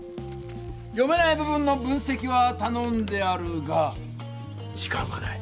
読めない部分の分せきはたのんであるが時間がない。